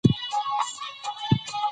ملاجان ته خدای ورکړي نن د حورو قافلې دي